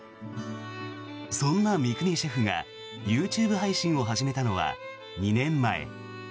そんな三國シェフがＹｏｕＴｕｂｅ配信を始めたのは２年前。